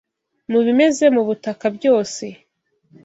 Mu bimeze mu butaka byose,